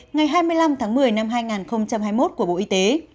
ngày hai mươi năm tháng một mươi năm hai nghìn hai mươi một của bộ y tế